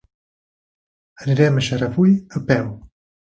Anirem a Xarafull a peu.